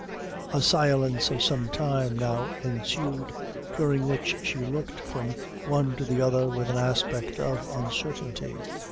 A silence of some time now ensued, during which she looked from the one to the other with an aspect of uncertainty.